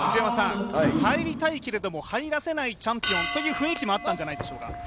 入りたいけれどもは入らせないチャンピオンという雰囲気もあったんじゃないでしょうか？